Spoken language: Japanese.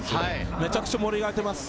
めちゃくちゃ盛り上がっています。